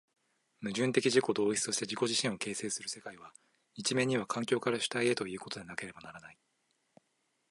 矛盾的自己同一として自己自身を形成する世界は、一面には環境から主体へということでなければならない。